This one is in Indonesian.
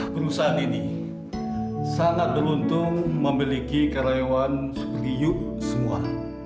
perusahaan ini sangat beruntung memiliki karyawan seperti ibu semua